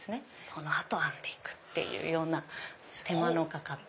その後編んでいくっていうような手間のかかった。